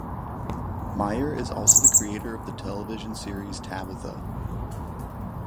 Mayer is also the creator of the television series "Tabitha".